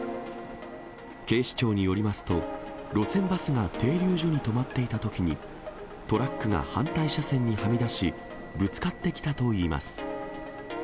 警視庁によりますと、路線バスが停留所に止まっていたときに、トラックが反対車線にはみ出し、ぶつかってきたといいます。